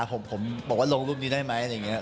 ผมบอกว่าลงรูปนี้ได้ไหมอะไรอย่างนี้